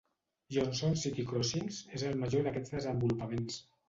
Johnson City Crossings és el major d'aquests desenvolupaments.